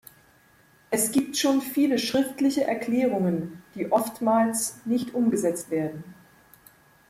Es gibt schon viele schriftliche Erklärungen, die oftmals nicht umgesetzt werden.